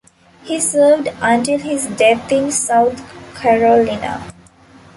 He served until his death in South Carolina.